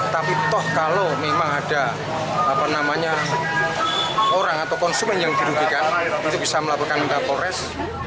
tapi toh kalau memang ada orang atau konsumen yang dirubikan itu bisa melakukan antapores